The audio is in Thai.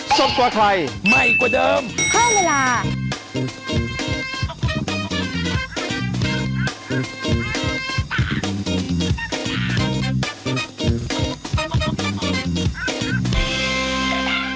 ใช่คือสองอันนี้เลย